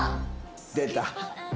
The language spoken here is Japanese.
出た。